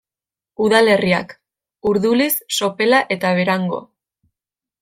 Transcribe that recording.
Udalerriak: Urduliz, Sopela eta Berango.